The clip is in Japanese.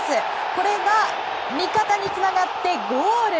これが味方につながってゴール！